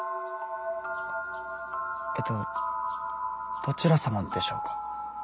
えっとどちら様でしょうか？